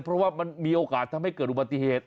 เพราะว่ามันมีโอกาสทำให้เกิดอุบัติเหตุ